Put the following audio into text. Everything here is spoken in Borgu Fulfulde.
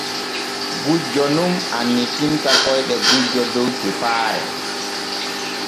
Gujjo nun annitinta koyɗe gujjo dow tepaare.